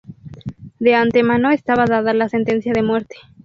De antemano estaba dada la sentencia de muerte.